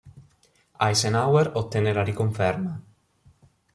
Eisenhower ottenne la riconferma.